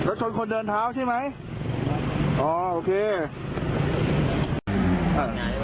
ก็ชนคนเดินเท้าใช่ไหม